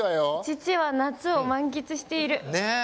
父は夏を満喫している。